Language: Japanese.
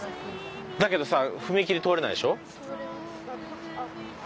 だけどさ踏切通れないでしょ？